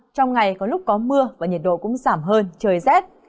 trong ngày có lúc có mưa và nhiệt độ cũng giảm hơn trời rét